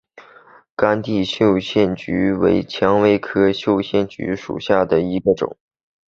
干地绣线菊为蔷薇科绣线菊属下的一个种。